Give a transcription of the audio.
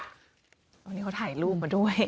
วันนี้เขาถ่ายรูปมาด้วย